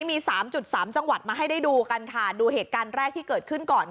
มีสามจุดสามจังหวัดมาให้ได้ดูกันค่ะดูเหตุการณ์แรกที่เกิดขึ้นก่อน